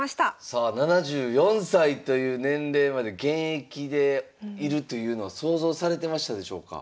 さあ７４歳という年齢まで現役でいるというのは想像されてましたでしょうか？